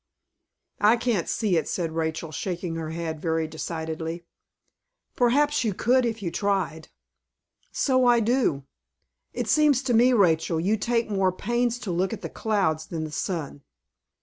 "I can't see it," said Rachel, shaking her head very decidedly. "Perhaps you could if you tried." "So I do." "It seems to me, Rachel, you take more pains to look at the clouds than the sun."